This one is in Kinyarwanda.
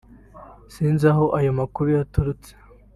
sinzi ayo makuru aho yaturutse”